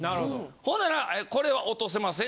ほんならこれは落とせません